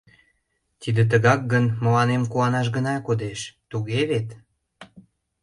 Тиде тыгакак гын, мыланем куанаш гына кодеш, туге вет?